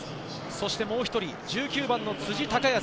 そしてもう１人、１９番の辻雄康。